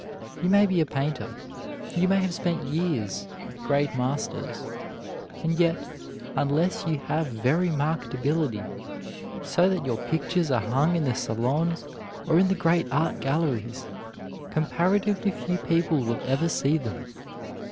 You may be a painter, you may have spent years with great masters, and yet, unless you have very marked ability so that your pictures are hung in the salons or in the great art galleries, comparatively few people will ever see them.